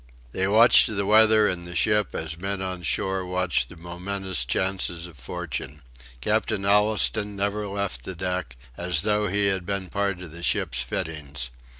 They watched the weather and the ship as men on shore watch the momentous chances of fortune. Captain Allistoun never left the deck, as though he had been part of the ship's fittings.